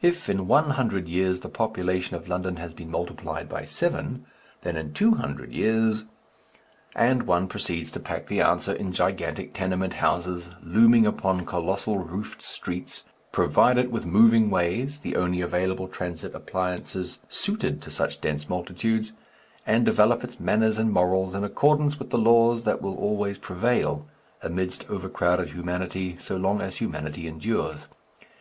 If in one hundred years the population of London has been multiplied by seven, then in two hundred years ! And one proceeds to pack the answer in gigantic tenement houses, looming upon colossal roofed streets, provide it with moving ways (the only available transit appliances suited to such dense multitudes), and develop its manners and morals in accordance with the laws that will always prevail amidst over crowded humanity so long as humanity endures.